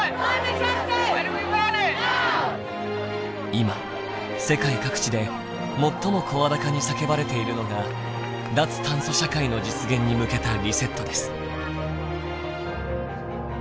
今世界各地で最も声高に叫ばれているのが「脱炭素社会の実現に向けたリセット」です。